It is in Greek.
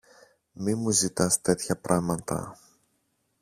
Μη μου ζητάς τέτοια πράματα.